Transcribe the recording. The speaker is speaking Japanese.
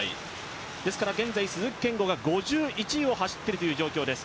ですから現在鈴木健吾が５１位を走っているという状況です。